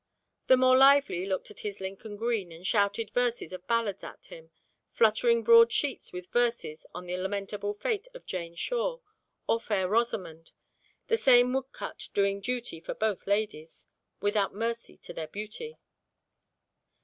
The more lively looked at his Lincoln green and shouted verses of ballads at him, fluttering broad sheets with verses on the lamentable fate of Jane Shore, or Fair Rosamond, the same woodcut doing duty for both ladies, without mercy to their beauty.